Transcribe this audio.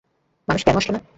মানুষ কেনো আসলো না?